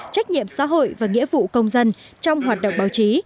trách nhiệm xã hội và nghĩa vụ công dân trong hoạt động báo chí